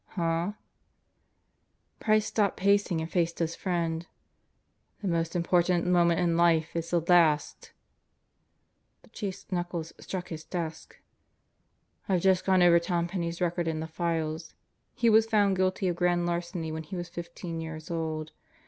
"Huh?" Price stopped pacing and faced his friend. "The most important moment in life is the last.' f The Chief's knuckles struck his 4sk "I've just gone over Tom Penney's record in the files. He Was found guilty of grand larceny when he was fifteen years old.